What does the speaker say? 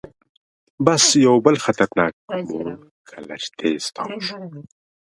بس یو بل خطرناک موړ کې لږ تیز تاو شو.